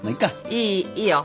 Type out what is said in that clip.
いいいいよ。